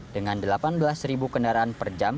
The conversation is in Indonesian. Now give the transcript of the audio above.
dengan delapan belas kendaraan per jam